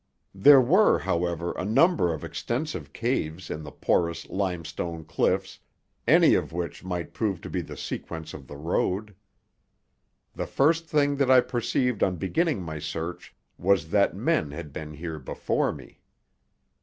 There were, however, a number of extensive caves in the porous limestone cliffs, any of which might prove to be the sequence of the road. The first thing that I perceived on beginning my search was that men had been here before me.